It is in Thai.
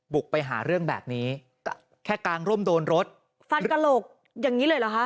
ไปหาเรื่องแบบนี้แค่กางร่มโดนรถฟันกระโหลกอย่างนี้เลยเหรอคะ